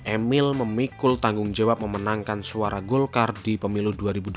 emil memikul tanggung jawab memenangkan suara golkar di pemilu dua ribu dua puluh